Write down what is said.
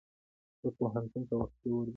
زه پوهنتون ته وختي ورځم.